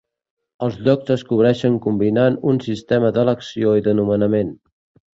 Els llocs es cobreixen combinant un sistema d'elecció i de nomenament.